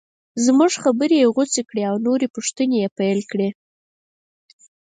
زموږ خبرې یې غوڅې کړې او نورې پوښتنې یې پیل کړې.